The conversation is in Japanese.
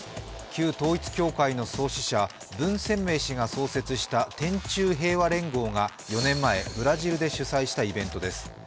旧統一教会の創始者、文鮮明氏が創設した天宙平和連合が４年前、ブラジルで主催したイベントです。